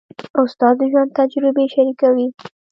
استاد د ژوند تجربې شریکوي.